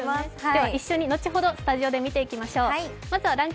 では一緒に後ほどスタジオで見ていきましょう。